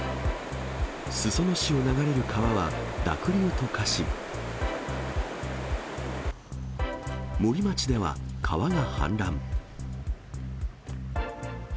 裾野市を流れる川は濁流と化し、森町では川が氾濫。